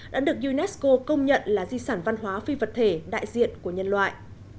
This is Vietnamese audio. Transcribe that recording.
đã được unesco công nhận là di sản văn hóa phi vật thể đại diện của nhân loại